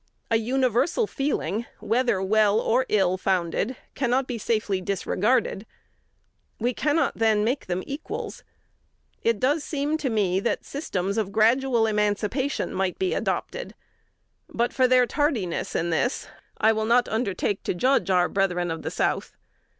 A universal feeling, whether well or ill founded, cannot be safely disregarded. We cannot, then, make them equals. It does seem to me that systems of gradual emancipation might be adopted; but for their tardiness in this I will not undertake to judge our brethren of the South.